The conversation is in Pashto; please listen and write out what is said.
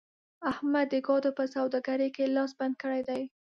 احمد د ګاډو په سوداګرۍ کې لاس بند کړی دی.